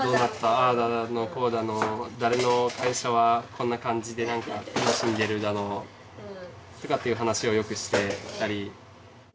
ああだのこうだの誰の会社はこんな感じでなんか楽しんでるだのとかっていう話をよくしてたり。